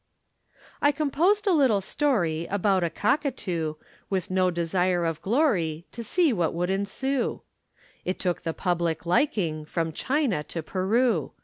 I composed a little story About a cockatoo, With no desire of glory, To see what would ensue. It took the public liking From China to Peru.